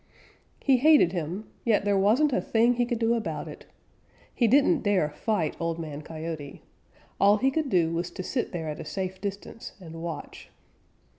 He hated him, yet there wasn't a thing he could do about it. He didn't dare fight Old Man Coyote. All he could do was to sit there at a safe distance and watch.